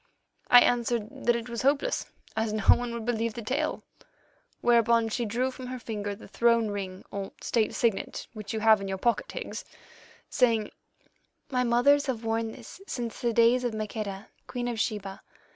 "I answered that it was hopeless, as no one would believe the tale, whereon she drew from her finger the throne ring or State signet which you have in your pocket, Higgs, saying: 'My mothers have worn this since the days of Maqueda, Queen of Sheba.